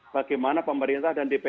bagaimana pemerintah dan depan